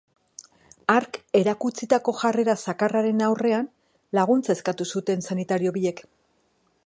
Hark erakutsitako jarrera zakarraren aurrean, laguntza eskatu zuten sanitario biek.